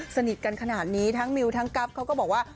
สนิทกันขนาดนี้ทั้งมิวทั้งกั๊บเขาก็บอกว่า